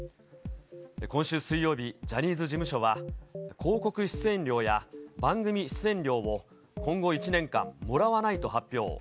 今週水曜日、ジャニーズ事務所は、広告出演料や番組出演料を今後１年間、もらわないと発表。